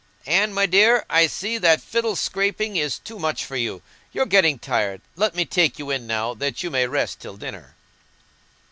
Anne, my dear, I see that fiddle scraping is too much for you: you're getting tired. Let me take you in now, that you may rest till dinner."